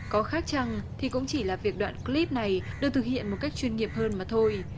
có khác chăng thì cũng chỉ là việc đoạn clip này được thực hiện một cách chuyên nghiệp hơn mà thôi